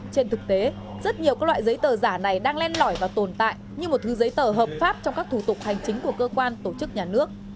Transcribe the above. trên thực tế rất nhiều các loại giấy tờ giả này đang len lỏi và tồn tại như một thứ giấy tờ hợp pháp trong các thủ tục hành chính của cơ quan tổ chức nhà nước